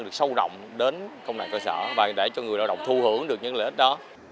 được sâu rộng đến công đoàn cơ sở và để cho người lao động thu hưởng được những lợi ích đó